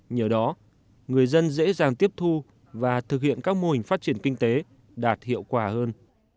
nhờ đó người dân dễ dàng tiếp thu và thực hiện các mô hình phát triển kinh tế đạt hiệu quả hơn